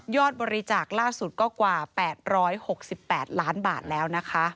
บริจาคล่าสุดก็กว่า๘๖๘ล้านบาทแล้วนะคะ